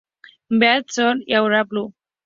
Beautiful Soldier Aurora Blue.